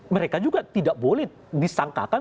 mereka juga tidak boleh disangkakan